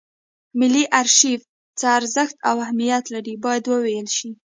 ملي ارشیف څه ارزښت او اهمیت لري باید وویل شي.